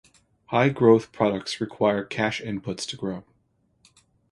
High growth products require cash inputs to grow.